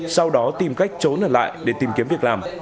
sau đó tìm cách trốn ở lại để tìm kiếm việc làm